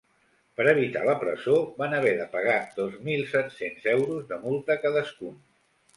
Per evitar la presó, van haver de pagar dos mil set-cents euros de multa cadascun.